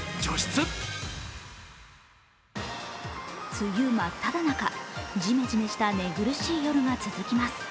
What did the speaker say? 梅雨真っただ中、ジメジメした寝苦しい夜が続きます。